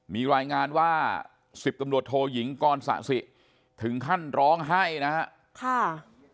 มีรายงานว่า๑๐ตำรวจโทยิงกรสะสิถึงขั้นร้องไห้นะครับ